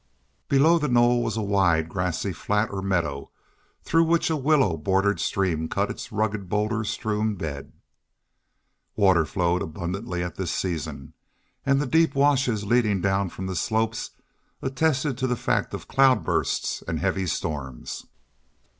Below the Knoll was a wide, grassy flat or meadow through which a willow bordered stream cut its rugged boulder strewn bed. Water flowed abundantly at this season, and the deep washes leading down from the slopes attested to the fact of cloudbursts and heavy storms.